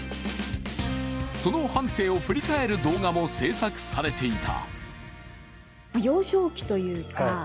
その半生を振り返る動画も制作されていた。